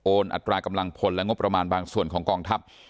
อัตรากำลังพลและงบประมาณบางส่วนของกองทัพ